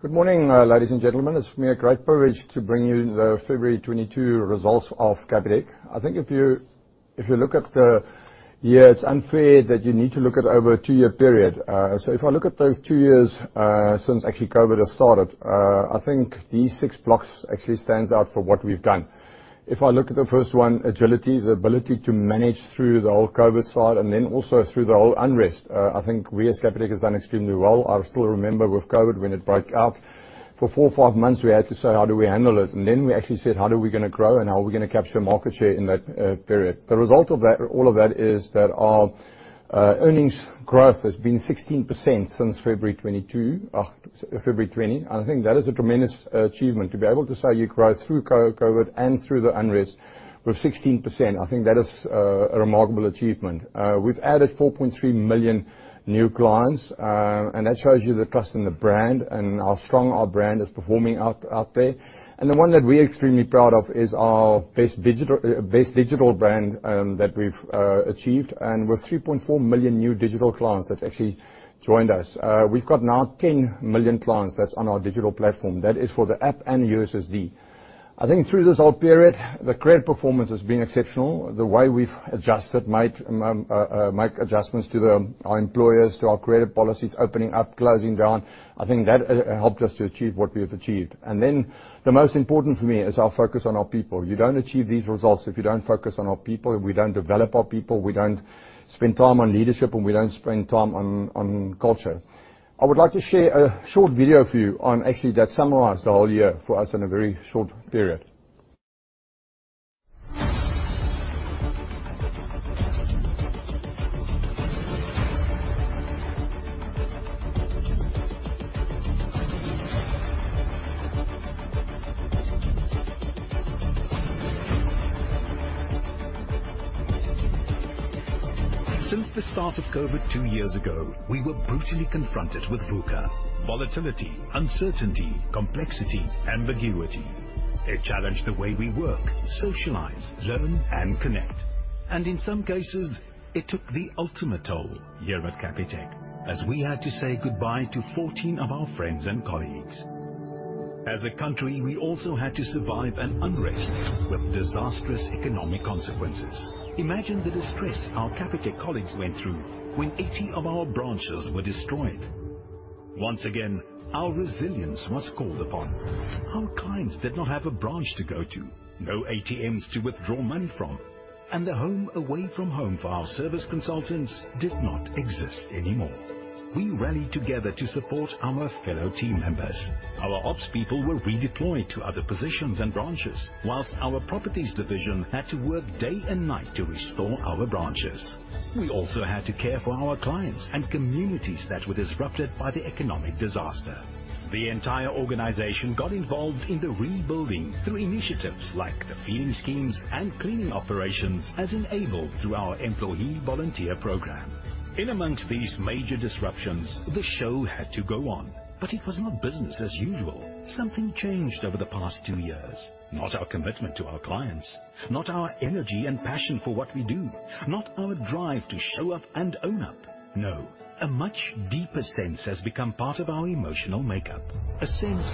Good morning, ladies and gentlemen. It's a great privilege to bring you the February 2022 results of Capitec. I think if you look at the year, it's unfair that you need to look at over a two-year period. If I look at those two years, since actually COVID has started, I think these six blocks actually stands out for what we've done. If I look at the first one, agility, the ability to manage through the whole COVID side and then also through the whole unrest, I think we as Capitec has done extremely well. I still remember with COVID when it broke out. For four-five months, we had to say, "How do we handle it?" We actually said, "How do we gonna grow, and how are we gonna capture market share in that period?" The result of that all of that is that our earnings growth has been 16% since February 2020. I think that is a tremendous achievement. To be able to say you grew through COVID and through the unrest with 16%, I think that is a remarkable achievement. We've added 4.3 million new clients, and that shows you the trust in the brand and how strong our brand is performing out there. The one that we're extremely proud of is our best digital brand that we've achieved, and with 3.4 million new digital clients that actually joined us. We've got now 10 million clients that's on our digital platform. That is for the app and USSD. I think through this whole period, the credit performance has been exceptional. The way we've made adjustments to our exposures to our credit policies, opening up, closing down. I think that helped us to achieve what we have achieved. The most important for me is our focus on our people. You don't achieve these results if you don't focus on our people, if we don't develop our people, we don't spend time on leadership, and we don't spend time on culture. I would like to share a short video for you on actually that summarize the whole year for us in a very short period. Since the start of COVID two years ago, we were brutally confronted with VUCA, volatility, uncertainty, complexity, ambiguity. It challenged the way we work, socialize, learn, and connect. In some cases, it took the ultimate toll here at Capitec, as we had to say goodbye to 14 of our friends and colleagues. As a country, we also had to survive an unrest with disastrous economic consequences. Imagine the distress our Capitec colleagues went through when 80 of our branches were destroyed. Once again, our resilience was called upon. Our clients did not have a branch to go to, no ATMs to withdraw money from, and the home away from home for our service consultants did not exist anymore. We rallied together to support our fellow team members. Our ops people were redeployed to other positions and branches, while our properties division had to work day and night to restore our branches. We also had to care for our clients and communities that were disrupted by the economic disaster. The entire organization got involved in the rebuilding through initiatives like the feeding schemes and cleaning operations, as enabled through our employee volunteer program. In among these major disruptions, the show had to go on. It was not business as usual. Something changed over the past two years. Not our commitment to our clients, not our energy and passion for what we do, not our drive to show up and own up. No, a much deeper sense has become part of our emotional makeup, a sense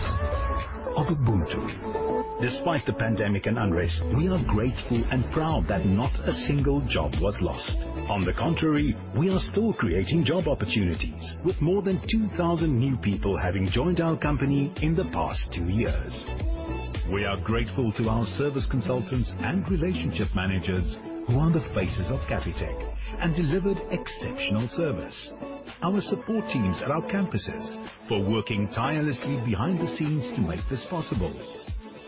of Ubuntu. Despite the pandemic and unrest, we are grateful and proud that not a single job was lost. On the contrary, we are still creating job opportunities, with more than 2,000 new people having joined our company in the past two years. We are grateful to our service consultants and relationship managers who are the faces of Capitec and delivered exceptional service, our support teams at our campuses for working tirelessly behind the scenes to make this possible,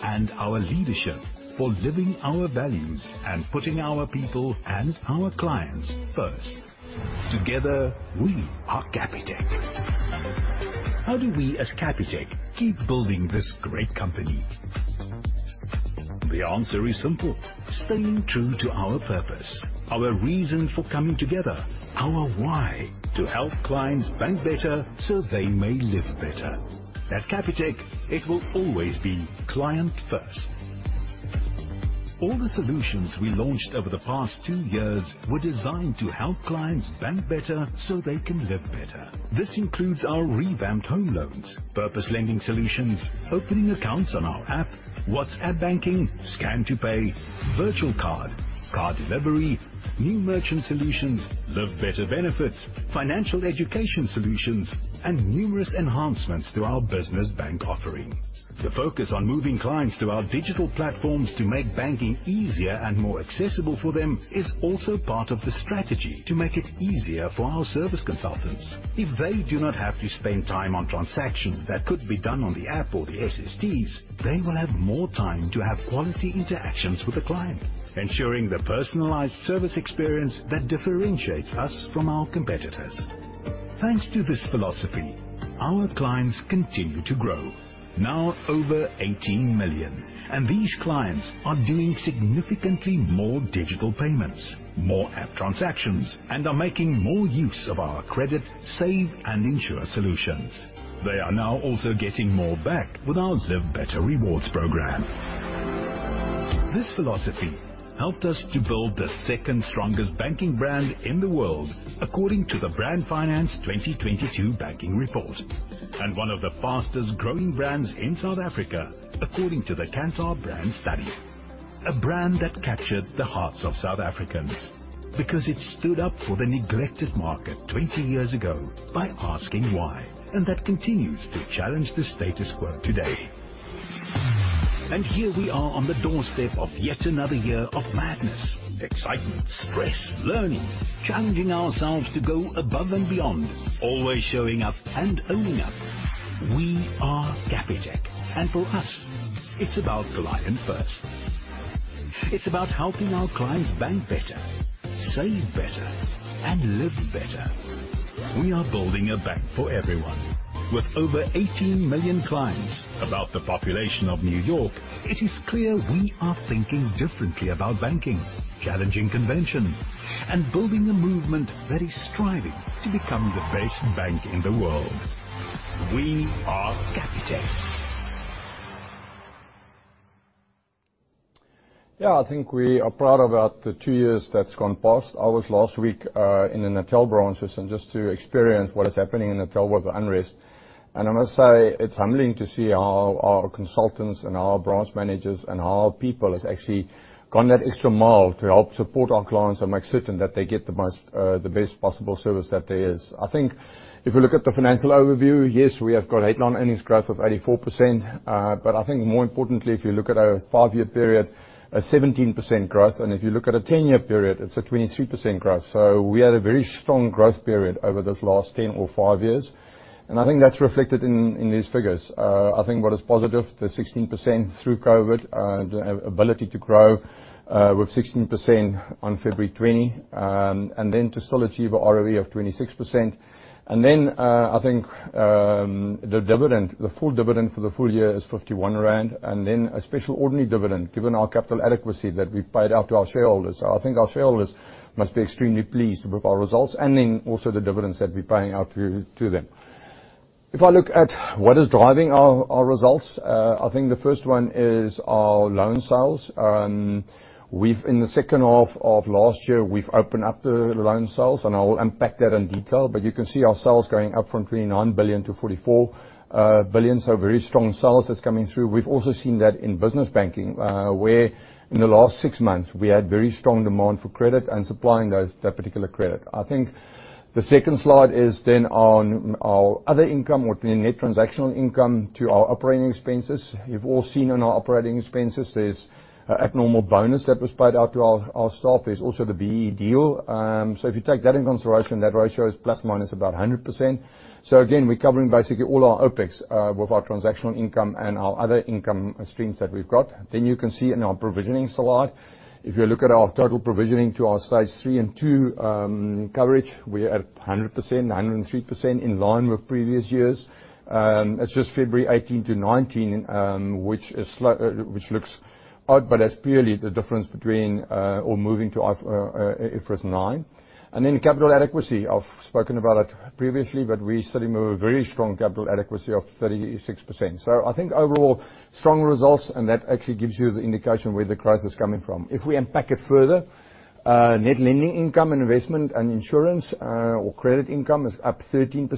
and our leadership for living our values and putting our people and our clients first. Together, we are Capitec. How do we as Capitec keep building this great company? The answer is simple: staying true to our purpose, our reason for coming together, our why. To help clients bank better so they may live better. At Capitec, it will always be client first. All the solutions we launched over the past two years were designed to help clients bank better so they can live better. This includes our revamped Home Loans, purpose lending solutions, opening accounts on our app, WhatsApp banking, Scan to Pay, Virtual Card, card delivery, new merchant solutions, Live Better benefits, financial education solutions, and numerous enhancements to our Business Banking offering. The focus on moving clients to our digital platforms to make banking easier and more accessible for them is also part of the strategy to make it easier for our service consultants. If they do not have to spend time on transactions that could be done on the app or the SSTs, they will have more time to have quality interactions with the client, ensuring the personalized service experience that differentiates us from our competitors. Thanks to this philosophy, our clients continue to grow. Now over 18 million, and these clients are doing significantly more digital payments, more app transactions, and are making more use of our credit, save, and insure solutions. They are now also getting more back with our Live Better Rewards program. This philosophy helped us to build the second strongest banking brand in the world according to the Brand Finance 2022 banking report, and one of the fastest growing brands in South Africa according to the Kantar Brand study. A brand that captured the hearts of South Africans because it stood up for the neglected market 20 years ago by asking why, and that continues to challenge the status quo today. Here we are on the doorstep of yet another year of madness, excitement, stress, learning, challenging ourselves to go above and beyond. Always showing up and owning up. We are Capitec. For us, it's about client first. It's about helping our clients bank better, save better, and live better. We are building a bank for everyone. With over 18 million clients, about the population of New York, it is clear we are thinking differently about banking, challenging convention, and building a movement that is striving to become the best bank in the world. We are Capitec. Yeah, I think we are proud about the two years that's gone past. I was last week in the Natal branches and just to experience what is happening in Natal with the unrest. I must say, it's humbling to see how our consultants and our branch managers and our people has actually gone that extra mile to help support our clients and make certain that they get the most, the best possible service that there is. I think if you look at the financial overview, yes, we have got headline earnings growth of 84%. But I think more importantly, if you look at a five-year period, a 17% growth, and if you look at a 10-year period, it's a 23% growth. We had a very strong growth period over this last 10 or five years, and I think that's reflected in these figures. I think what is positive, the 16% through COVID, the ability to grow with 16% on February 2020, and then to still achieve a ROE of 26%. I think the dividend, the full dividend for the full year is 51 rand, and then a special ordinary dividend, given our capital adequacy that we paid out to our shareholders. I think our shareholders must be extremely pleased with our results and then also the dividends that we're paying out to them. If I look at what is driving our results, I think the first one is our loan sales. In the second half of last year, we've opened up the loan sales, and I will unpack that in detail, but you can see our sales going up from 29 billion to 44 billion. Very strong sales that's coming through. We've also seen that in Business Banking, where in the last six months we had very strong demand for credit and supplying those, that particular credit. I think the second slide is then on our other income between net transactional income to our operating expenses. You've all seen in our operating expenses there's an abnormal bonus that was paid out to our staff. There's also the BEE deal. If you take that in consideration, that ratio is plus minus about 100%. Again, we're covering basically all our OPEX with our transactional income and our other income streams that we've got. You can see in our provisionings slide, if you look at our total provisioning to our stage three and two coverage, we're at 100%, 103% in line with previous years. It's just February 2018 to 2019, which is slow, which looks odd, but that's purely the difference between or moving to IFRS 9. Capital adequacy, I've spoken about it previously, but we're sitting with a very strong capital adequacy of 36%. I think overall strong results, and that actually gives you the indication where the growth is coming from. If we unpack it further, net lending income and investment and insurance, or credit income is up 13%,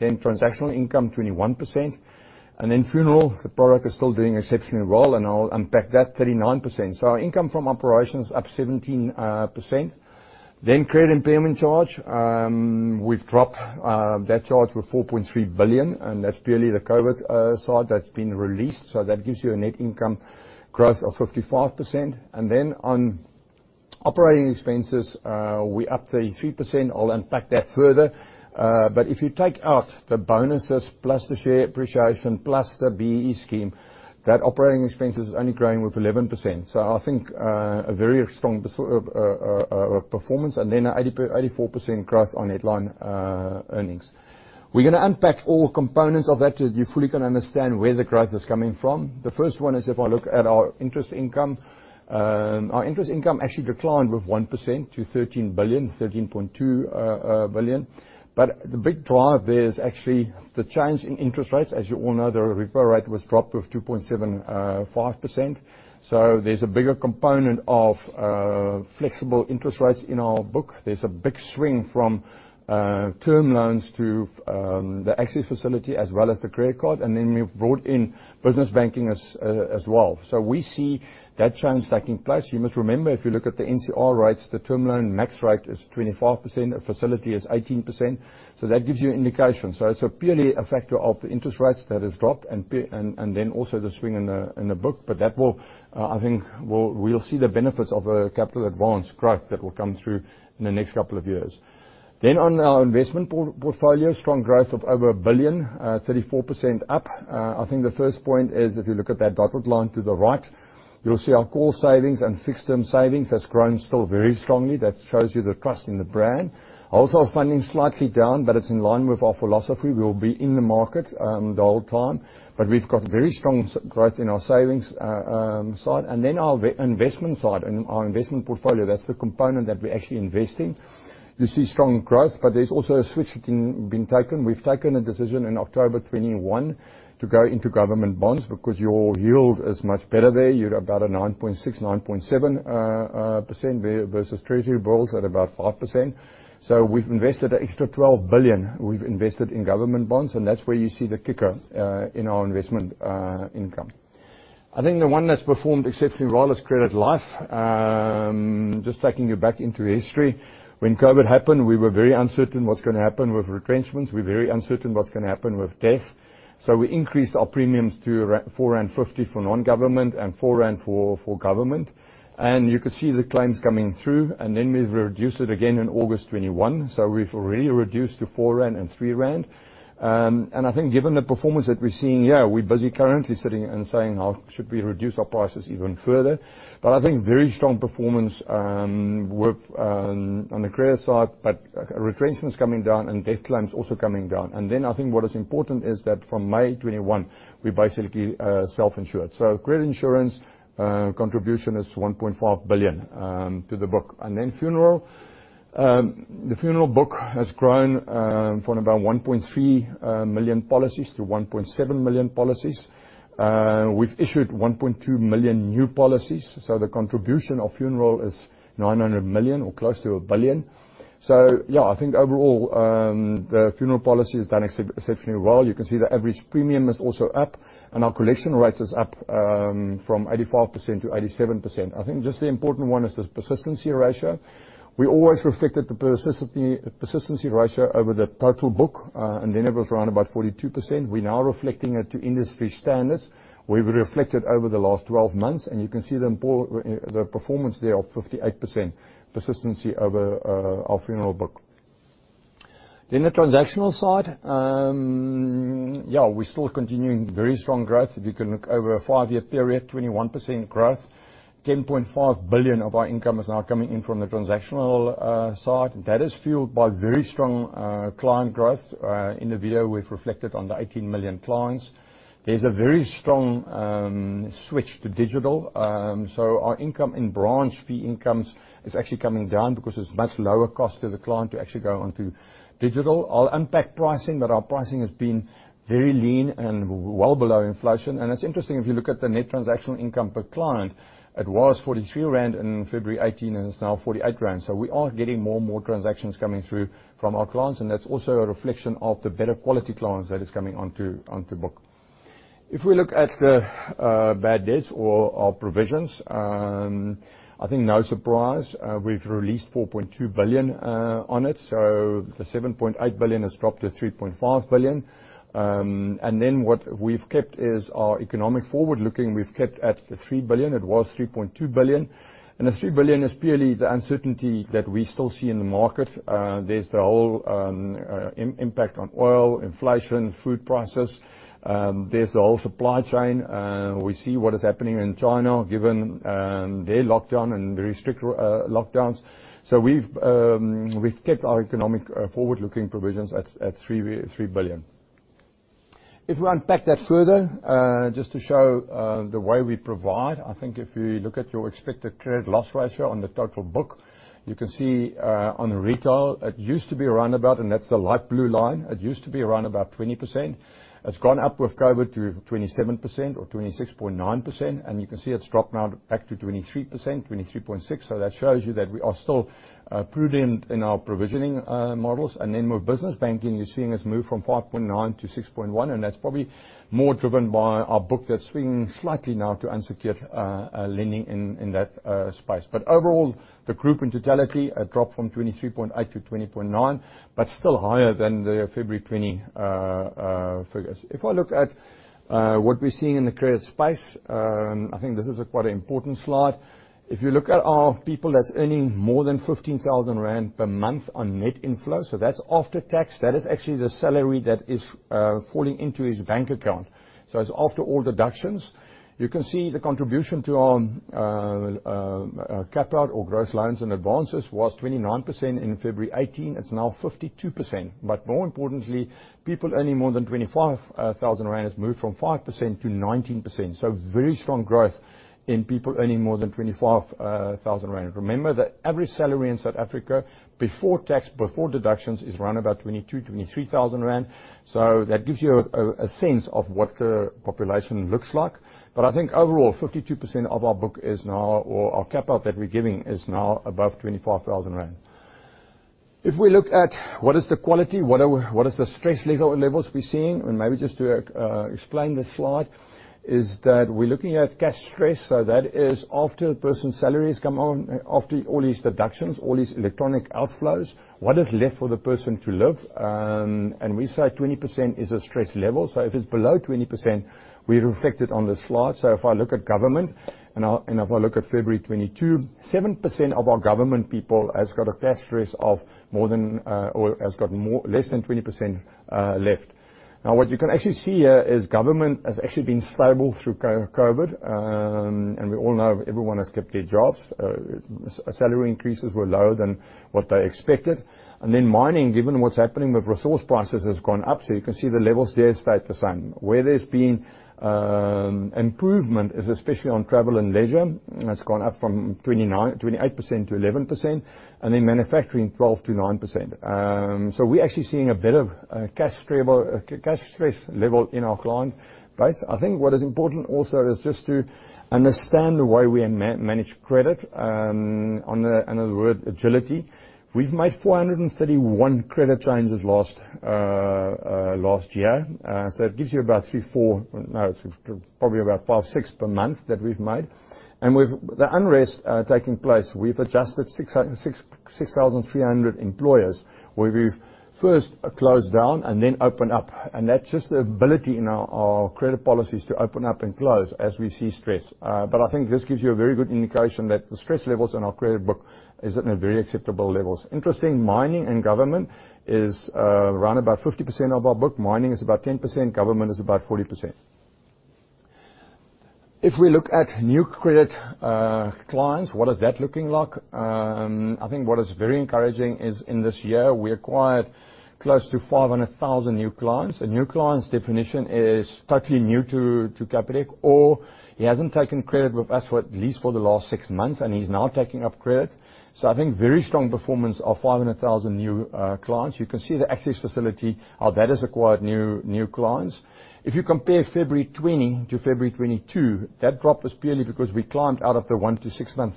transactional income 21%. Funeral, the product is still doing exceptionally well, and I'll unpack that 39%. Our income from operations up 17%. Credit impairment charge, we've dropped that charge with 4.3 billion, and that's purely the COVID side that's been released. That gives you a net income growth of 55%. On operating expenses, we're up 33%. I'll unpack that further. But if you take out the bonuses plus the share appreciation plus the BEE scheme, that operating expenses is only growing with 11%. I think a very strong performance and then 84% growth on headline earnings. We're gonna unpack all components of that so that you fully can understand where the growth is coming from. The first one is if I look at our interest income. Our interest income actually declined with 1% to 13.2 billion. The big drive there is actually the change in interest rates. As you all know, the repo rate was dropped with 2.75%. There's a bigger component of flexible interest rates in our book. There's a big swing from term loans to the access facility as well as the credit card. Then we've brought in Business Banking as well. We see that change taking place. You must remember, if you look at the NCR rates, the term loan max rate is 25%, a facility is 18%. That gives you an indication. It's purely a factor of the interest rates that has dropped and then also the swing in the book. That will. I think we'll see the benefits of a capital advance growth that will come through in the next couple of years. On our investment portfolio, strong growth of over 1 billion, 34% up. I think the first point is if you look at that dotted line to the right, you'll see our core savings and fixed term savings has grown still very strongly. That shows you the trust in the brand. Also, funding slightly down, but it's in line with our philosophy. We'll be in the market the whole time, but we've got very strong growth in our savings side and then our investment side and our investment portfolio. That's the component that we're actually investing. You see strong growth, but there's also a switch that's been taken. We've taken a decision in October 2021 to go into government bonds because your yield is much better there. You're about a 9.6%-9.7% versus Treasury bills at about 5%. So we've invested an extra 12 billion. We've invested in government bonds, and that's where you see the kicker in our investment income. I think the one that's performed exceptionally well is Credit Life. Just taking you back into history, when COVID happened, we were very uncertain what's gonna happen with retrenchments. We're very uncertain what's gonna happen with death. We increased our premiums to 4.50 rand for non-government and 4.04 rand for government. You could see the claims coming through, and then we've reduced it again in August 2021. We've already reduced to 4 rand and 3 rand. I think given the performance that we're seeing here, we're busy currently sitting and saying how should we reduce our prices even further. I think very strong performance with on the credit side, but retrenchment's coming down and death claims also coming down. I think what is important is that from May 2021, we basically self-insured. Credit insurance contribution is 1.5 billion to the book. Funeral. The funeral book has grown from about 1.3 million policies to 1.7 million policies. We've issued 1.2 million new policies. The contribution of funeral is 900 million or close to 1 billion. Yeah, I think overall, the funeral policy has done exceptionally well. You can see the average premium is also up, and our collection rate is up, from 85% to 87%. I think just the important one is the persistency ratio. We always reflected the persistency ratio over the total book, and then it was around about 42%. We're now reflecting it to industry standards. We've reflected over the last 12 months, and you can see the performance there of 58% persistency over our funeral book. The transactional side. Yeah, we're still continuing very strong growth. If you can look over a five-year period, 21% growth. 10.5 billion of our income is now coming in from the transactional side. That is fueled by very strong client growth. In the video, we've reflected on the 18 million clients. There's a very strong switch to digital. Our income and branch fee incomes is actually coming down because it's much lower cost to the client to actually go onto digital. I'll unpack pricing, but our pricing has been very lean and well below inflation. It's interesting, if you look at the net transactional income per client, it was 43 rand in February 2018, and it's now 48 rand. We are getting more and more transactions coming through from our clients, and that's also a reflection of the better quality clients that is coming onto book. If we look at bad debts or our provisions, I think no surprise, we've released 4.2 billion on it, so the 7.8 billion has dropped to 3.5 billion. What we've kept is our economic forward-looking, we've kept at 3 billion. It was 3.2 billion. The 3 billion is purely the uncertainty that we still see in the market. There's the whole impact on oil, inflation, food prices. There's the whole supply chain. We see what is happening in China, given their lockdown and very strict lockdowns. We've kept our economic forward-looking provisions at 3 billion. If we unpack that further, just to show the way we provide, I think if you look at your expected credit loss ratio on the total book, you can see on retail, That's the light blue line. It used to be around about 20%. It's gone up with COVID to 27% or 26.9%. You can see it's dropped now back to 23%, 23.6%. That shows you that we are still prudent in our provisioning models. Then with business banking, you're seeing us move from 5.9% to 6.1%, and that's probably more driven by our book that's swinging slightly now to unsecured lending in that space. Overall, the group in totality have dropped from 23.8% to 20.9%, but still higher than the February 2020 figures. If I look at what we're seeing in the credit space, I think this is quite an important slide. If you look at our people that's earning more than 15,000 rand per month on net inflow, so that's after tax. That is actually the salary that is falling into his bank account. It's after all deductions. You can see the contribution to our gross loans and advances was 29% in February 2018. It's now 52%. More importantly, people earning more than 25,000 rand has moved from 5%-19%. Very strong growth in people earning more than 25,000 rand. Remember the average salary in South Africa before tax, before deductions is around about 22,000 rand- 23,000 rand. That gives you a sense of what the population looks like. I think overall, 52% of our book is now, or our cut-off that we're giving is now above 25,000 rand. If we look at what is the quality, what are we. What is the stress levels we're seeing, and maybe just to explain this slide, is that we're looking at cash stress. That is after a person's salary has come out, after all his deductions, all his electronic outflows, what is left for the person to live. And we say 20% is a stress level. If it's below 20%, we reflect it on the slide. If I look at government and if I look at February 2022, 7% of our government people has got a cash stress of more than or has got less than 20% left. What you can actually see here is government has actually been stable through COVID. We all know everyone has kept their jobs. Salary increases were lower than what they expected. Then mining, given what's happening with resource prices, has gone up. You can see the levels there stayed the same. Where there's been improvement is especially on travel and leisure. It's gone up from 29%-28% to 11%. Then manufacturing, 12%-9%. We're actually seeing a bit of cash stress level in our client base. I think what is important also is just to understand the way we manage credit, another word, agility. We've made 431 credit changes last year. So it gives you about three-four. No, it's probably about five-six per month that we've made. With the unrest taking place, we've adjusted 6,300 employers, where we've first closed down and then opened up, and that's just the ability in our credit policies to open up and close as we see stress. I think this gives you a very good indication that the stress levels in our credit book is at a very acceptable levels. Interesting, mining and government is around about 50% of our book. Mining is about 10%, government is about 40%. If we look at new credit clients, what is that looking like? I think what is very encouraging is in this year, we acquired close to 500,000 new clients. A new clients definition is totally new to Capitec, or he hasn't taken credit with us for at least for the last six months, and he's now taking up credit. I think very strong performance of 500,000 new clients. You can see the access facility, how that has acquired new clients. If you compare February 2020 to February 2022, that drop was purely because we climbed out of the one to six-month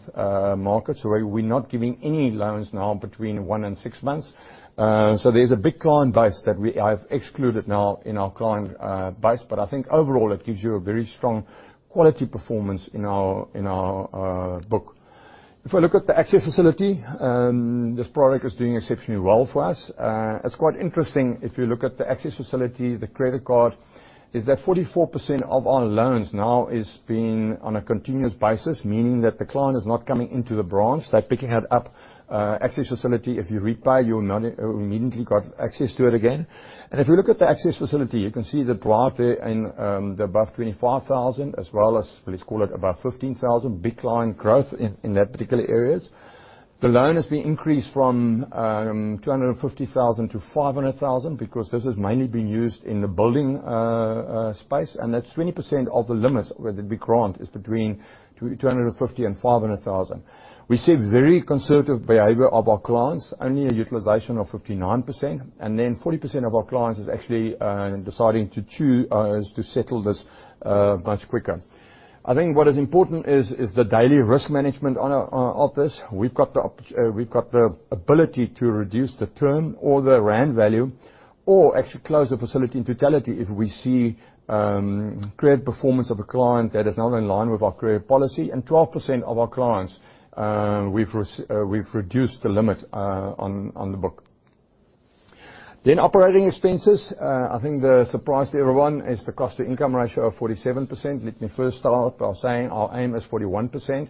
market. We're not giving any loans now between one and six months. There's a big client base that I've excluded now in our client base, but I think overall it gives you a very strong quality performance in our book. If I look at the access facility, this product is doing exceptionally well for us. It's quite interesting, if you look at the access facility, the credit card, is that 44% of our loans now is being on a continuous basis, meaning that the client is not coming into the branch. They're picking it up. access facility, if you repay, you immediately got access to it again. If you look at the access facility, you can see the drive there in the above 25,000 as well as, let's call it, above 15,000, big client growth in that particular areas. The loan has been increased from 250,000 to 500,000 because this has mainly been used in the building space, and that's 20% of the limits with the grant is between 250,000 and 500,000. We see very conservative behavior of our clients, only a utilization of 59%, and then 40% of our clients is actually deciding to choose is to settle this much quicker. I think what is important is the daily risk management on our office. We've got the ability to reduce the term or the ZAR value or actually close the facility in totality if we see credit performance of a client that is not in line with our credit policy. 12% of our clients, we've reduced the limit on the book. Operating expenses, I think the surprise to everyone is the cost to income ratio of 47%. Let me first start by saying our aim is 41%.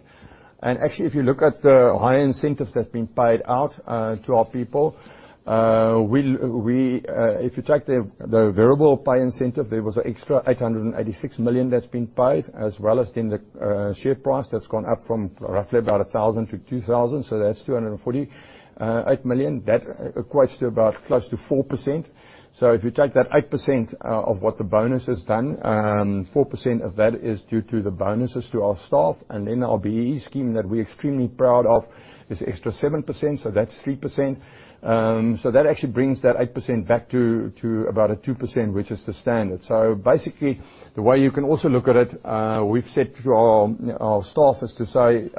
Actually, if you look at the high incentives that have been paid out to our people. If you take the variable pay incentive, there was an extra 886 million that's been paid, as well as in the share price that's gone up from roughly about 1,000 to 2,000, so that's 248 million. That equates to about close to 4%. If you take that 8% of what the bonus has done, 4% of that is due to the bonuses to our staff. Our BEE scheme that we're extremely proud of is extra 7%, so that's 3%. That actually brings that 8% back to about a 2%, which is the standard. Basically, the way you can also look at it, we've said to our staff is to say,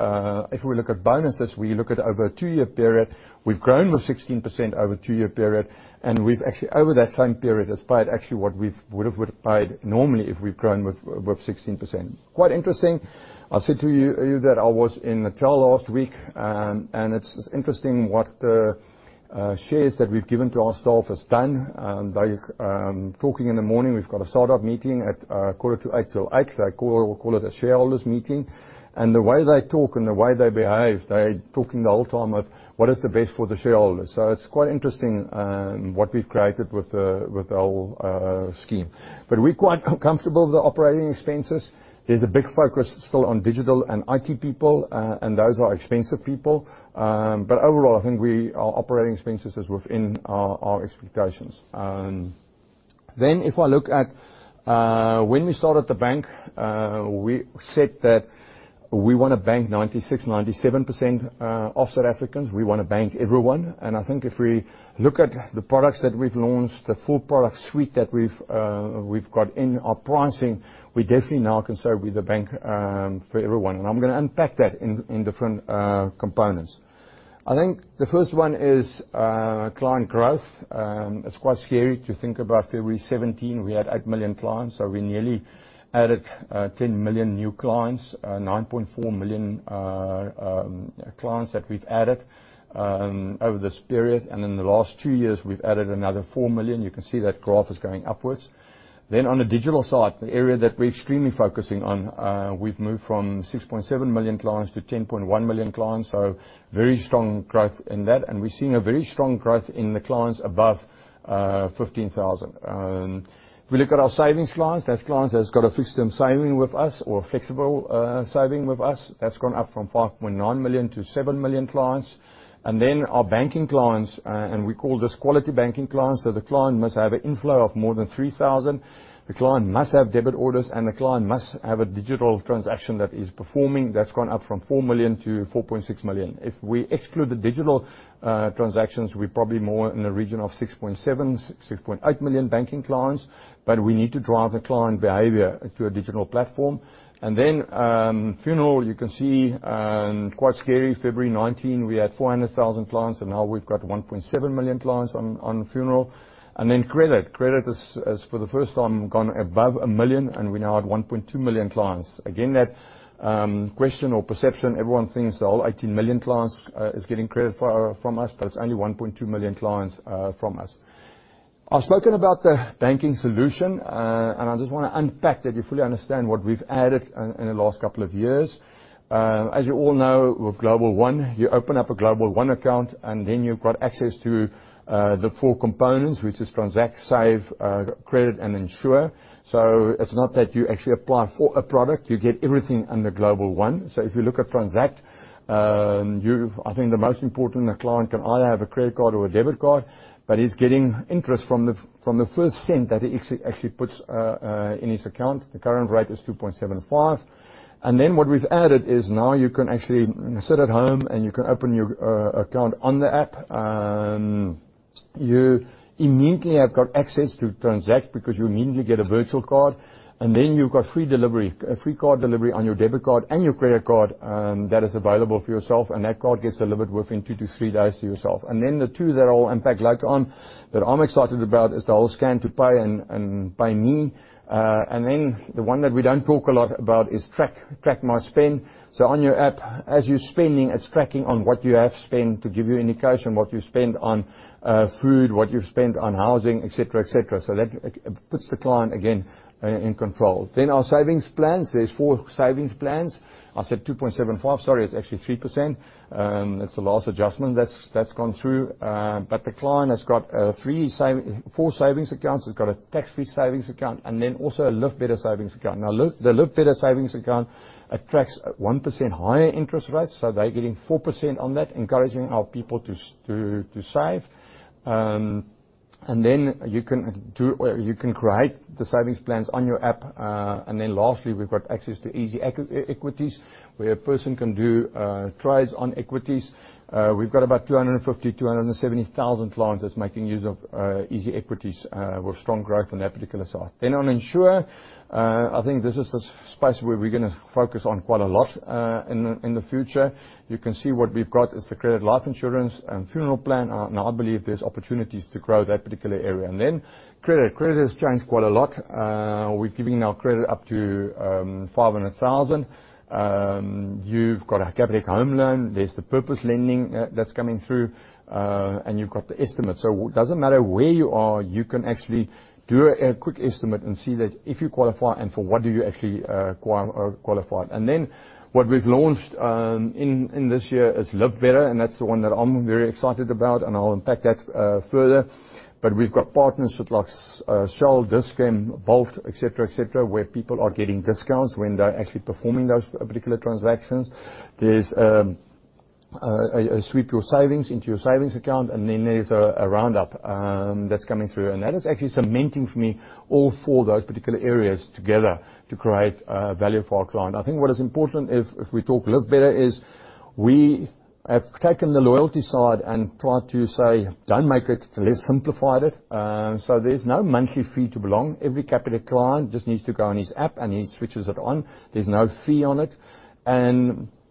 if we look at bonuses, we look at over a two-year period. We've grown with 16% over a two-year period, and we've actually over that same period has paid actually what we would have paid normally if we've grown with 16%. Quite interesting. I said to you that I was in Natal last week, and it's interesting what the shares that we've given to our staff has done. They talking in the morning, we've got a stand-up meeting at 7:45 A.M. till 8:00 A.M. We call it a shareholders meeting. The way they talk and the way they behave, they're talking the whole time of what is the best for the shareholders. It's quite interesting what we've created with the whole scheme. We're quite comfortable with the operating expenses. There's a big focus still on digital and IT people, and those are expensive people. Overall, I think our operating expenses are within our expectations. If I look at when we started the bank, we said that we want to bank 96%-97% of South Africans. We want to bank everyone. I think if we look at the products that we've launched, the full product suite that we've got in our pricing, we definitely now can serve with the bank for everyone. I'm gonna unpack that in different components. I think the first one is client growth. It's quite scary to think about February 2017, we had 8 million clients. We nearly added 10 million new clients, 9.4 million clients that we've added over this period. In the last two years, we've added another 4 million. You can see that growth is going upwards. On the digital side, the area that we're extremely focusing on, we've moved from 6.7 million clients to 10.1 million clients, so very strong growth in that. We're seeing a very strong growth in the clients above 15,000. If we look at our savings clients, that's clients that's got a fixed term saving with us or flexible saving with us, that's gone up from 5.9 million to 7 million clients. Our banking clients, and we call this quality banking clients. So the client must have an inflow of more than 3,000. The client must have debit orders, and the client must have a digital transaction that is performing. That's gone up from 4 million to 4.6 million. If we exclude the digital transactions, we're probably more in the region of 6.7-6.8 million banking clients. We need to drive the client behavior to a digital platform. Funeral, you can see, quite scary. February 2019, we had 400,000 clients, and now we've got 1.7 million clients on funeral. Credit is for the first time gone above a million, and we now have 1.2 million clients. Again, that question or perception, everyone thinks the whole 18 million clients is getting credit from us, but it's only 1.2 million clients from us. I've spoken about the banking solution, and I just wanna unpack that you fully understand what we've added in the last couple of years. As you all know, with Global One, you open up a Global One account, and then you've got access to the four components, which is transact, save, credit, and insure. It's not that you actually apply for a product, you get everything under Global One. If you look at Transact, I think the most important, a client can either have a credit card or a debit card, but he's getting interest from the first cent that he actually puts in his account. The current rate is 2.75%. What we've added is now you can actually sit at home, and you can open your account on the app. You immediately have got access to Transact because you immediately get a Virtual Card. You've got free delivery, free card delivery on your debit card and your credit card, that is available for yourself. That card gets delivered within two-three days to yourself. Then the two that I'll unpack later on that I'm excited about is the whole Scan to Pay and Pay Me. The one that we don't talk a lot about is Track my Spend. On your app, as you're spending, it's tracking what you have spent to give you indication what you spend on, food, what you spend on housing, et cetera, et cetera. That puts the client, again, in control. Our savings plans. There's four savings plans. I said 2.75%. Sorry, it's actually 3%. That's the last adjustment that's gone through. But the client has got four savings accounts. He's got a tax-free savings account and then also a Live Better savings account. Now, the Live Better savings account attracts 1% higher interest rate, so they're getting 4% on that, encouraging our people to save. You can do... You can create the savings plans on your app. We've got access to EasyEquities, where a person can do trades on equities. We've got about 250,000 to 270,000 clients that's making use of EasyEquities with strong growth on that particular side. On insurance, I think this is the space where we're gonna focus on quite a lot in the future. You can see what we've got is the Credit Life Insurance and Funeral Plan. I believe there's opportunities to grow that particular area. Credit. Credit has changed quite a lot. We're giving now credit up to 500,000. You've got a Capitec Home Loan. There's the purpose lending that's coming through. You've got the estimate. It doesn't matter where you are, you can actually do a quick estimate and see that if you qualify and for what do you actually qualify. Then what we've launched in this year is Live Better, and that's the one that I'm very excited about, and I'll unpack that further. We've got partners with like Shell, Dis-Chem, and Bolt, et cetera, et cetera, where people are getting discounts when they're actually performing those particular transactions. There's sweep your savings into your savings account, and then there's a roundup that's coming through. That is actually cementing for me all four of those particular areas together to create value for our client. I think what is important if we talk Live Better is we have taken the loyalty side and tried to say, don't make it, let's simplify it. There's no monthly fee to belong. Every Capitec client just needs to go on his app, and he switches it on. There's no fee on it.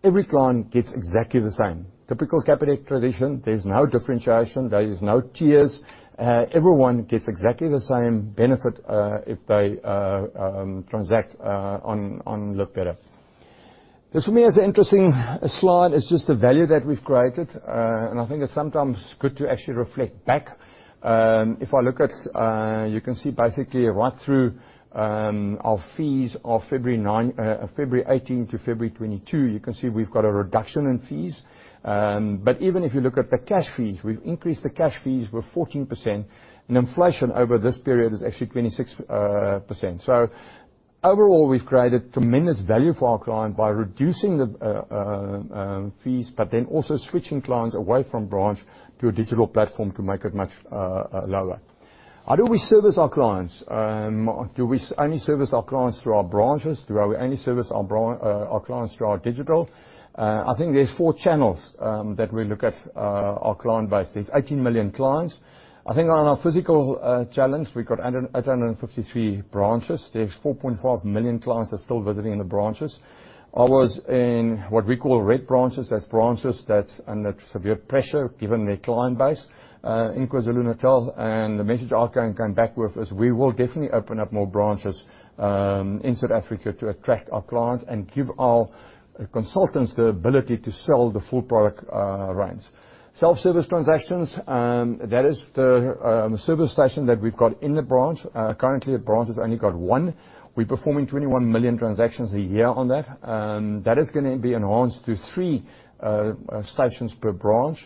Every client gets exactly the same. Typical Capitec tradition. There's no differentiation. There is no tiers. Everyone gets exactly the same benefit if they transact on Live Better. This for me is an interesting slide. It's just the value that we've created. I think it's sometimes good to actually reflect back. If I look at, you can see basically right through our fees of February 2009, February 2018 to February 2022, you can see we've got a reduction in fees. Even if you look at the cash fees, we've increased the cash fees with 14%. Inflation over this period is actually 26%. Overall, we've created tremendous value for our client by reducing the fees, but then also switching clients away from branch to a digital platform to make it much lower. How do we service our clients? Do we only service our clients through our branches? Do we only service our clients through our digital? I think there's four channels that we look at our client base. There's 18 million clients. I think on our physical channel, we've got 853 branches. There's 4.5 million clients that are still visiting the branches. I was in what we call red branches. That's branches that's under severe pressure given their client base in KwaZulu-Natal. The message I come back with is we will definitely open up more branches in South Africa to attract our clients and give our consultants the ability to sell the full product range. Self-service transactions, that is the service station that we've got in the branch. Currently a branch has only got one. We're performing 21 million transactions a year on that. That is gonna be enhanced to three stations per branch.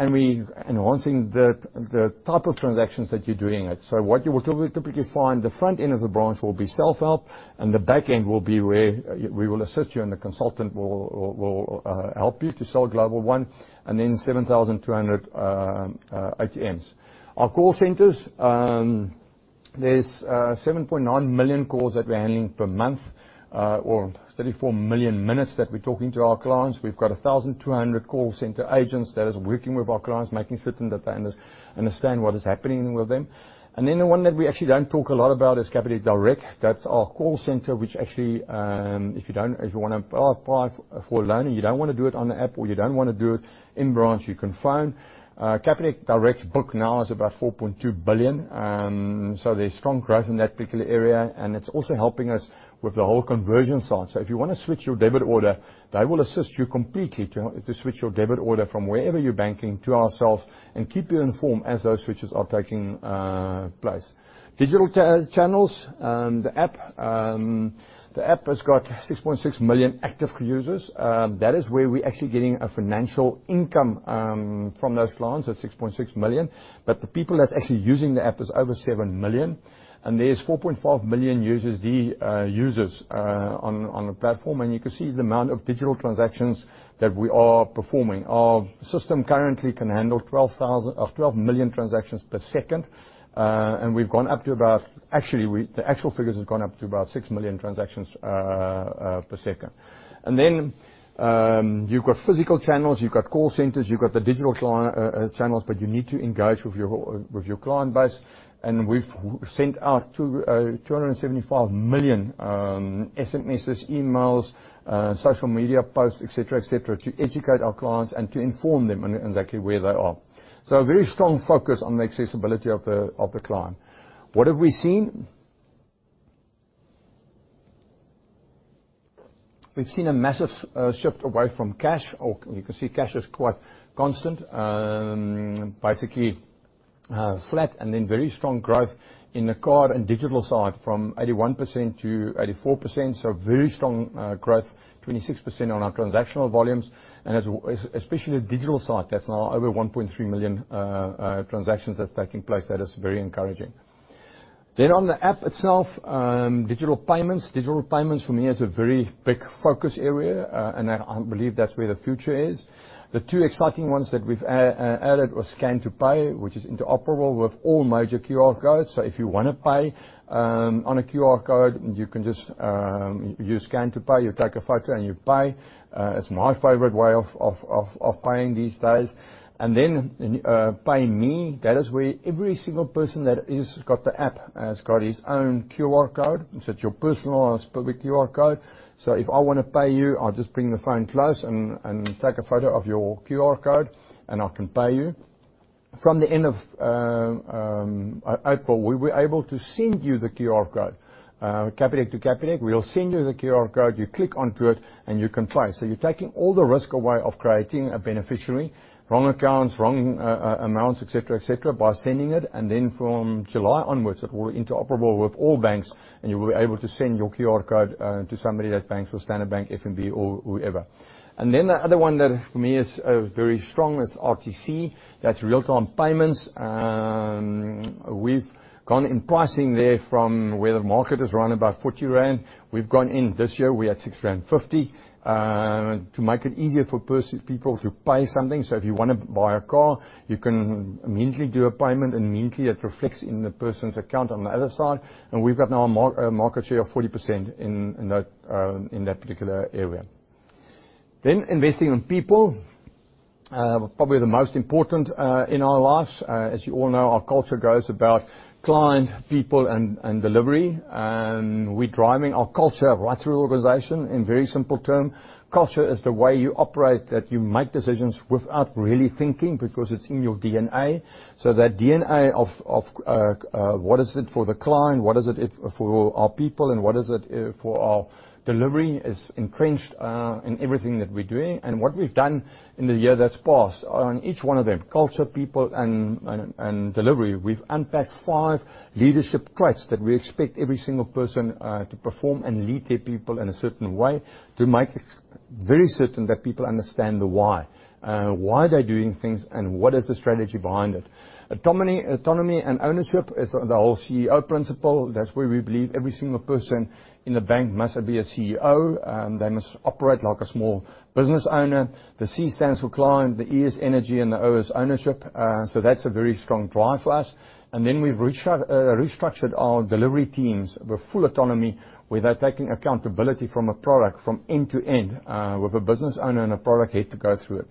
We're enhancing the type of transactions that you're doing it. What you will typically find, the front end of the branch will be self-help, and the back end will be where we will assist you, and the consultant will help you to sell Global One. 7,200 ATMs. Our call centers, there's 7.9 million calls that we're handling per month, or 34 million minutes that we're talking to our clients. We've got 1,200 call center agents that is working with our clients, making certain that they understand what is happening with them. The one that we actually don't talk a lot about is Capitec Direct. That's our call center which actually, if you don't, if you wanna apply for a loan and you don't wanna do it on the app, or you don't wanna do it in branch, you can phone. Capitec Direct bookings is about 4.2 billion. There's strong growth in that particular area, and it's also helping us with the whole conversion side. If you wanna switch your debit order, they will assist you completely to switch your debit order from wherever you're banking to ourselves and keep you informed as those switches are taking place. Digital channels, the app. The app has got 6.6 million active users. That is where we're actually getting a financial income from those clients at 6.6 million. But the people that's actually using the app is over 7 million, and there's 4.5 million users on the platform. You can see the amount of digital transactions that we are performing. Our system currently can handle 12 million transactions per second, and we've gone up to about. The actual figures have gone up to about 6 million transactions per second. You've got physical channels, you've got call centers, you've got the digital channels, but you need to engage with your client base. We've sent out 275 million SMSs, emails, social media posts, etc., etc., to educate our clients and to inform them on exactly where they are. A very strong focus on the accessibility of the client. What have we seen? We've seen a massive shift away from cash or you can see cash is quite constant. Basically, flat and then very strong growth in the card and digital side from 81% to 84%. So very strong growth, 26% on our transactional volumes. Especially the digital side, that's now over 1.3 million transactions that's taking place. That is very encouraging. On the app itself, digital payments. Digital payments for me is a very big focus area, and I believe that's where the future is. The two exciting ones that we've added was Scan to Pay, which is interoperable with all major QR codes. So if you wanna pay on a QR code, you can just use Scan to Pay. You take a photo and you pay. It's my favorite way of paying these days. Pay Me, that is where every single person that has got the app has got his own QR code, so it's your personal public QR code. So if I wanna pay you, I'll just bring the phone close and take a photo of your QR code, and I can pay you. From the end of April, we'll be able to send you the QR code, Capitec to Capitec. We'll send you the QR code, you click onto it, and you can pay. You're taking all the risk away of creating a beneficiary, wrong accounts, wrong amounts, et cetera, by sending it. Then from July onwards, it will be interoperable with all banks, and you will be able to send your QR code to somebody that banks with Standard Bank, FNB or whoever. Then the other one that for me is very strong is RTC. That's real-time payments. We've gone in pricing there from where the market is around 40 rand. We've gone in this year, we're at 6.50 rand to make it easier for people to pay something. If you wanna buy a car, you can immediately do a payment and immediately it reflects in the person's account on the other side. We've got now a market share of 40% in that particular area. Investing in people probably the most important in our lives. As you all know, our culture goes about client, people and delivery. We're driving our culture right through the organization. In very simple terms, culture is the way you operate, that you make decisions without really thinking because it's in your DNA. That DNA of what is it for the client, what is it for our people, and what is it for our delivery is entrenched in everything that we're doing. What we've done in the year that's passed on each one of them, culture, people and delivery. We've unpacked five leadership traits that we expect every single person to perform and lead their people in a certain way to make very certain that people understand the why they're doing things and what is the strategy behind it. Autonomy and ownership is the whole CEO principle. That's where we believe every single person in the bank must be a CEO. They must operate like a small business owner. The C stands for Client, the E is Energy, and the O is Ownership. That's a very strong drive for us. We've restructured our delivery teams with full autonomy, where they're taking accountability from a product from end to end, with a business owner and a product head to go through it.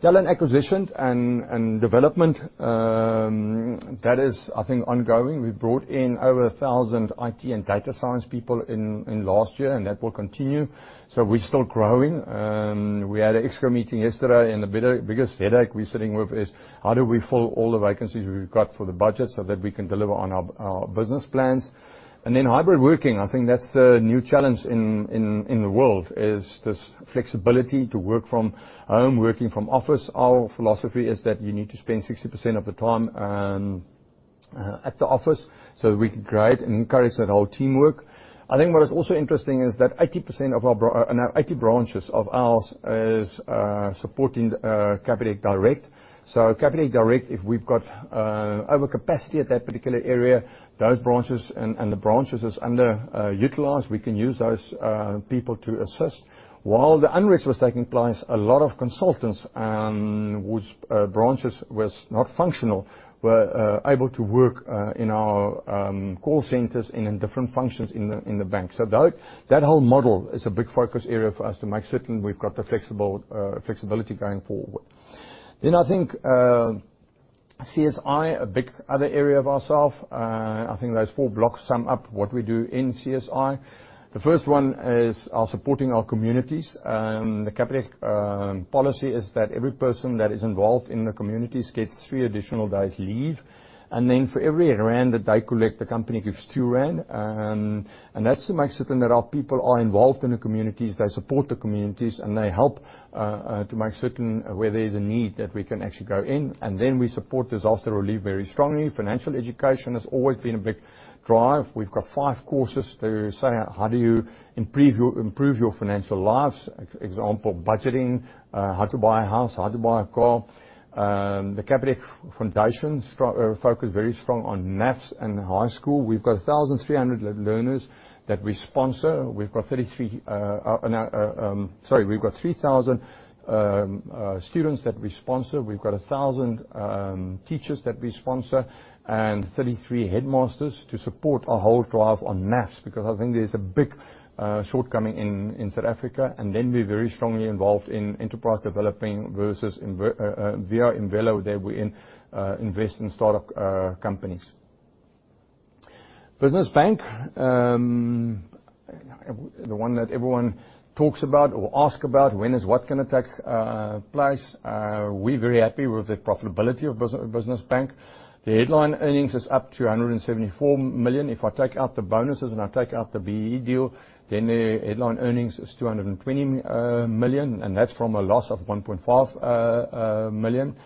Talent acquisition and development, that is, I think, ongoing. We brought in over 1,000 IT and data science people in last year, and that will continue. So we're still growing. We had an EXCO meeting yesterday, and the biggest headache we're sitting with is how do we fill all the vacancies we've got for the budget so that we can deliver on our business plans? Hybrid working, I think, that's the new challenge in the world, is this flexibility to work from home, working from office. Our philosophy is that you need to spend 60% of the time at the office, so we can create and encourage that whole teamwork. I think what is also interesting is that 80% of our 80 branches is supporting Capitec Direct. Capitec Direct, if we've got overcapacity at that particular area, those branches and the branches is underutilized, we can use those people to assist. While the unrest was taking place, a lot of consultants whose branches was not functional were able to work in our call centers and in different functions in the bank. That whole model is a big focus area for us to make certain we've got the flexibility going forward. I think, CSI, a big other area of ourselves. I think those four blocks sum up what we do in CSI. The first one is our supporting our communities. The Capitec policy is that every person that is involved in the communities gets three additional days leave. For every ZAR that they collect, the company gives 2 rand. That's to make certain that our people are involved in the communities, they support the communities, and they help to make certain where there's a need that we can actually go in. We support disaster relief very strongly. Financial education has always been a big drive. We've got five courses to say, how do you improve your financial lives. Example, budgeting, how to buy a house, how to buy a car. The Capitec Foundation focus very strong on math in high school. We've got 1,300 learners that we sponsor. No, sorry. We've got 3,000 students that we sponsor. We've got 1,000 teachers that we sponsor, and 33 headmasters to support our whole drive on math, because I think there's a big shortcoming in South Africa. Then we're very strongly involved in enterprise developing via Imvelo that we invest in startup companies. Business bank, the one that everyone talks about or ask about, when is what kind of tech place. We're very happy with the profitability of business bank. The headline earnings is up to 174 million. If I take out the bonuses and I take out the BEE deal, then the headline earnings is 220 million, and that's from a loss of 1.5 million.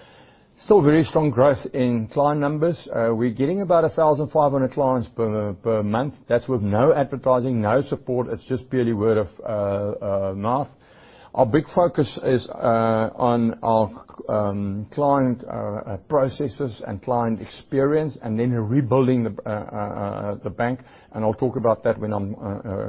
Still very strong growth in client numbers. We're getting about 1,500 clients per month. That's with no advertising, no support. It's just purely word of mouth. Our big focus is on our client processes and client experience, and then rebuilding the bank. I'll talk about that when I'm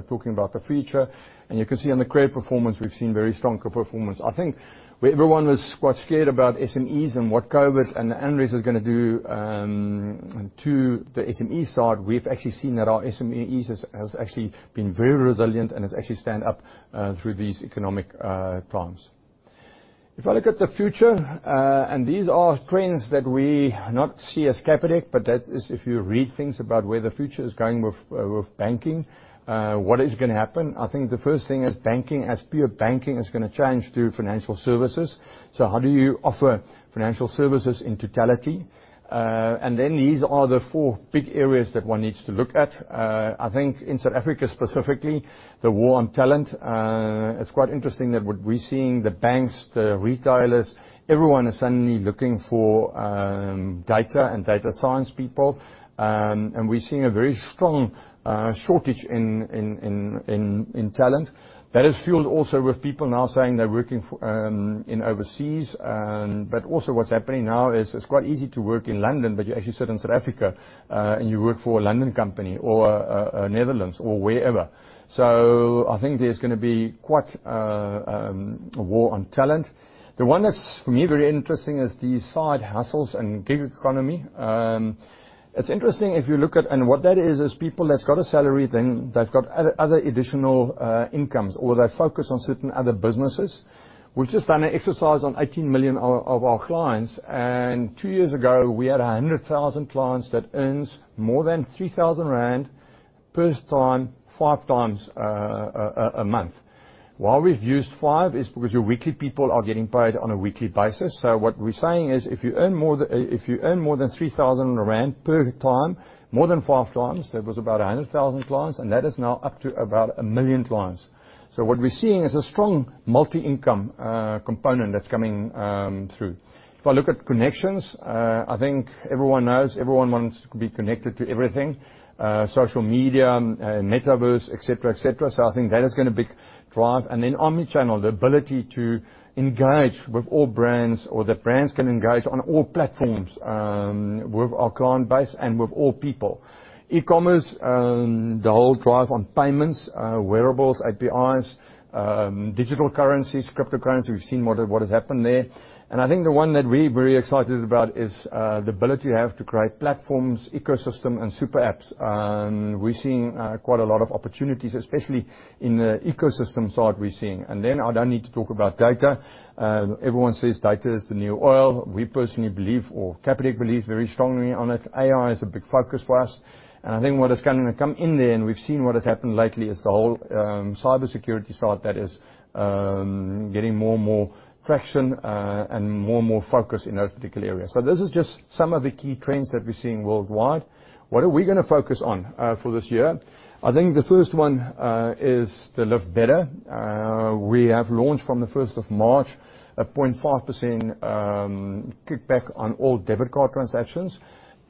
talking about the future. You can see on the credit performance, we've seen very strong credit performance. I think where everyone was quite scared about SMEs and what COVID and the unrest is gonna do to the SME side, we've actually seen that our SMEs has actually been very resilient and has actually stood up through these economic times. If I look at the future, and these are trends that we see as Capitec, but that's if you read things about where the future is going with banking, what is gonna happen. I think the first thing is banking as pure banking is gonna change to financial services. How do you offer financial services in totality? And then these are the four big areas that one needs to look at. I think in South Africa specifically, the war on talent. It's quite interesting that what we're seeing, the banks, the retailers, everyone is suddenly looking for data and data science people. We're seeing a very strong shortage in talent. That is fueled also with people now saying they're working from overseas. Also what's happening now is it's quite easy to work in London, but you actually sit in South Africa and you work for a London company or Netherlands or wherever. I think there's gonna be quite a war on talent. The one that's very interesting for me is these side hustles and gig economy. It's interesting if you look at what that is people that's got a salary, then they've got other additional incomes or they focus on certain other businesses. We've just done an exercise on 18 million of our clients, and two years ago, we had 100,000 clients that earn more than 3,000 rand per time 5x a month. Why we've used five is because our weekly people are getting paid on a weekly basis. What we're saying is if you earn more than 3,000 rand per time more than 5x, that was about 100,000 clients, and that is now up to about 1 million clients. What we're seeing is a strong multi-income component that's coming through. If I look at connections, I think everyone knows everyone wants to be connected to everything. Social media, metaverse, et cetera, et cetera. I think that is gonna be a driver. Omni-channel, the ability to engage with all brands or that brands can engage on all platforms, with our client base and with all people. E-commerce, the whole drive on payments, wearables, APIs, digital currencies, cryptocurrencies. We've seen what has happened there. I think the one that we're very excited about is the ability to create platforms, ecosystem, and super apps. We're seeing quite a lot of opportunities, especially in the ecosystem side we're seeing. I don't need to talk about data. Everyone says data is the new oil. We personally believe or Capitec believes very strongly on it. AI is a big focus for us. I think what is gonna come in there, and we've seen what has happened lately, is the whole cybersecurity side that is getting more and more traction and more and more focus in those particular areas. This is just some of the key trends that we're seeing worldwide. What are we gonna focus on for this year? I think the first one is the Live Better. We have launched from the first of March a 0.5% kickback on all debit card transactions.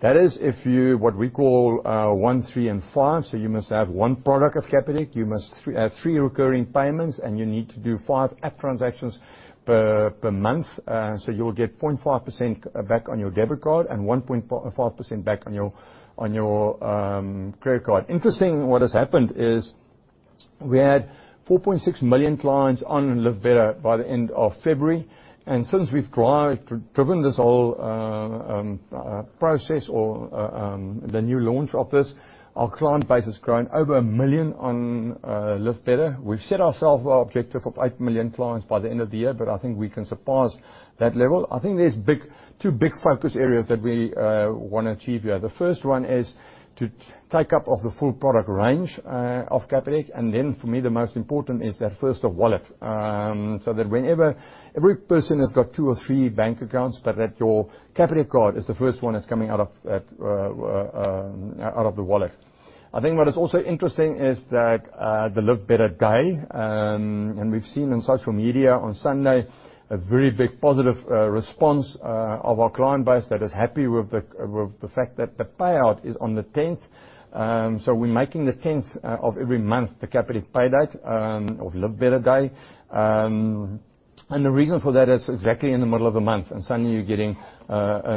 That is if you, what we call, one, three, and five. You must have one product of Capitec, you must have three recurring payments, and you need to do five app transactions per month. You'll get 0.5% back on your debit card and 1.5% back on your credit card. Interesting, what has happened is we had 4.6 million clients on Live Better by the end of February. Since we've driven this whole process or the new launch of this, our client base has grown over 1 million on Live Better. We've set ourselves our objective of 8 million clients by the end of the year, but I think we can surpass that level. I think there are two big focus areas that we wanna achieve here. The first one is the uptake of the full product range of Capitec. For me, the most important is that first wallet. That whenever every person has got two or three bank accounts, but that your Capitec card is the first one that's coming out of the wallet. I think what is also interesting is that the Live Better Day and we've seen in social media on Sunday a very big positive response of our client base that is happy with the fact that the payout is on the tenth. We're making the tenth of every month the Capitec Pay Date or Live Better Day. The reason for that is exactly in the middle of the month, and suddenly you're getting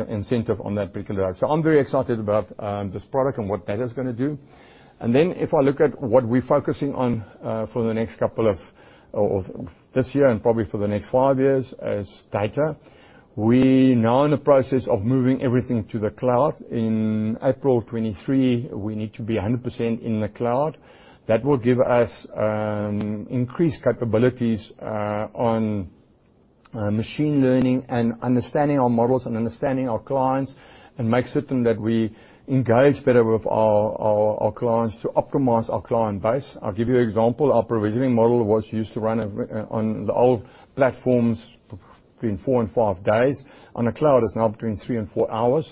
incentive on that particular date. I'm very excited about this product and what that is gonna do. If I look at what we're focusing on for the next couple of this year and probably for the next 5 years, is data. We now in the process of moving everything to the cloud. In April 2023, we need to be 100% in the cloud. That will give us increased capabilities on machine learning and understanding our models and understanding our clients. Make certain that we engage better with our clients to optimize our client base. I'll give you an example. Our provisioning model was used to run on the old platforms between four-five days. On the cloud, it's now between three-four hours.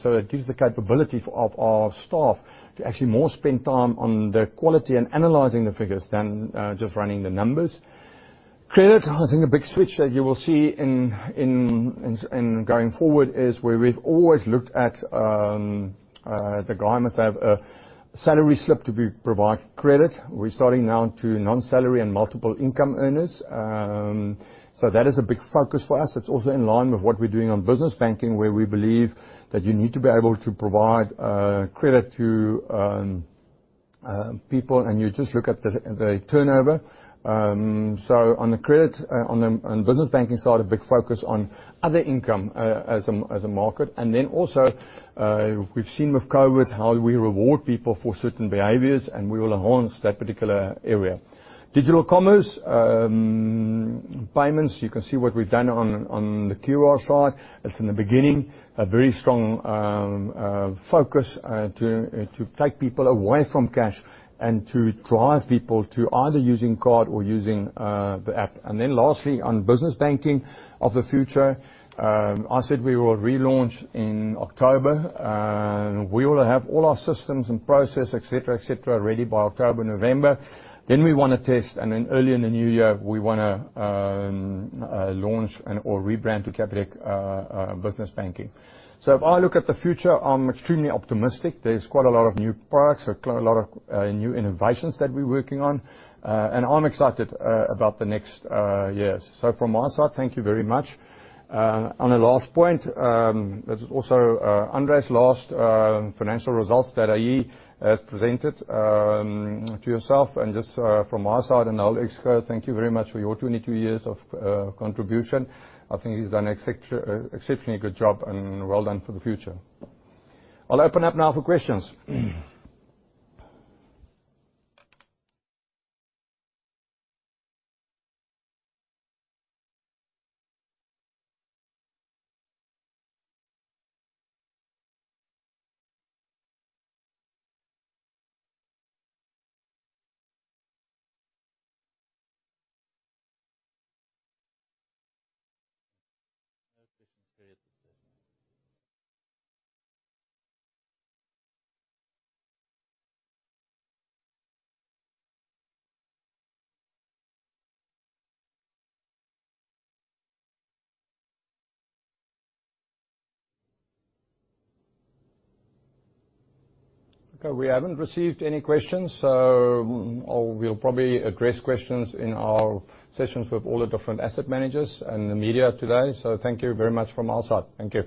So it gives the capability of our staff to actually spend more time on the quality and analyzing the figures than just running the numbers. Credit, I think a big switch that you will see in going forward is where we've always looked at, the guy must have a salary slip to be provided credit. We're starting now to non-salary and multiple income earners. That is a big focus for us. It's also in line with what we're doing on Business Banking, where we believe that you need to be able to provide credit to people, and you just look at the turnover. On the credit, on the Business Banking side, a big focus on other income as a market. Then also, we've seen with COVID how we reward people for certain behaviors, and we will enhance that particular area. Digital commerce payments, you can see what we've done on the QR slide. It's in the beginning, a very strong focus to take people away from cash and to drive people to either using card or using the app. Lastly, on Business Banking of the future, I said we will relaunch in October. We wanna have all our systems and process, et cetera, et cetera, ready by October, November. We wanna test, and then early in the new year, we wanna launch or rebrand to Capitec Business Banking. If I look at the future, I'm extremely optimistic. There's quite a lot of new products, a lot of new innovations that we're working on. I'm excited about the next years. From my side, thank you very much. On a last point, this is also André's last financial results that he has presented to yourself. Just from my side and the whole ExCo, thank you very much for your 22 years of contribution. I think he's done an exceptionally good job and well done for the future. I'll open up now for questions. Okay. We haven't received any questions. We'll probably address questions in our sessions with all the different asset managers and the media today. Thank you very much from our side. Thank you.